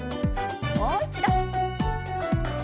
もう一度。